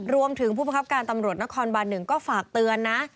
รวมถึงผู้ประครับการตำรวจนครบันหนึ่งก็ฝากเตือนนะ